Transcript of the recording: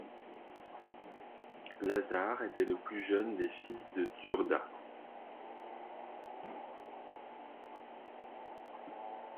Lazar était le plus jeune des fils de Đurđa.